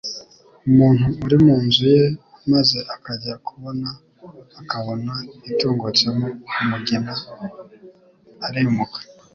Umuntu uri mu nzu ye maze akajya kubona akabona itungutsemo umugina, arimuka,